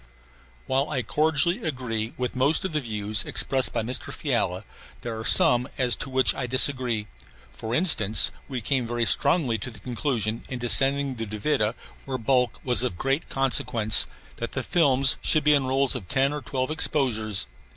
While I cordially agree with most of the views expressed by Mr. Fiala, there are some as to which I disagree; for instance, we came very strongly to the conclusion, in descending the Duvida, where bulk was of great consequence, that the films should be in rolls of ten or twelve exposures.